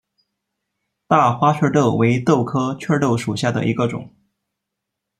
大花雀儿豆为豆科雀儿豆属下的一个种。